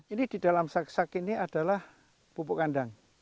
ini di dalam sak sak ini adalah pupuk kandang